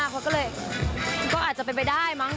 เขาก็เลยก็อาจจะเป็นไปได้มั้ง